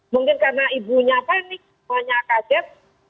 mungkin karena ibunya panik semuanya kaget